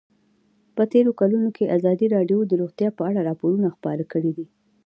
په تېرو کلونو کې ازادي راډیو د روغتیا په اړه راپورونه خپاره کړي دي.